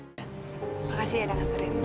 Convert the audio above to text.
terima kasih ya dengan terimanya